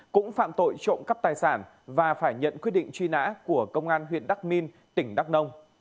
cũng phạm tội trộm cắp tài sản và phải nhận quyết định truy nã của công an huyện đắc minh tỉnh đắk nông